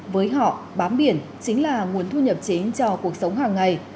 với họ bám biển chính là nguồn thu nhập chính cho cuộc sống hàng ngày